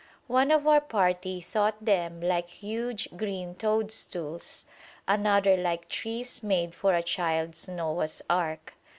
One of our party thought them like huge green toadstools, another like trees made for a child's Noah's Ark.